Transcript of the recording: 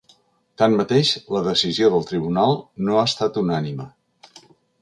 Tanmateix, la decisió del tribunal no ha estat unànime.